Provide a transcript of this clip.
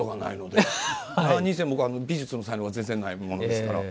なにせ、僕は美術の才能は全然ないものですから。